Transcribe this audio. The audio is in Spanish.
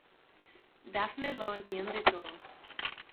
Daphne lo entiende todo.